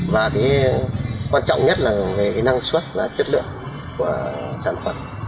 và cái quan trọng nhất là về cái năng suất và chất lượng của sản phẩm